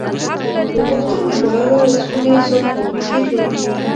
هغه غوښتل د پولادو او اوسپنې ذوب فابریکې جوړې کړي